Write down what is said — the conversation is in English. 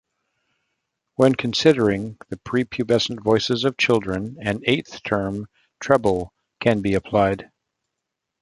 When considering the pre-pubescent voices of children an eighth term, treble, can be applied.